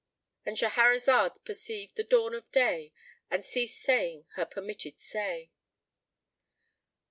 "—And Shahrazad perceived the dawn of day and ceased saying her permitted say.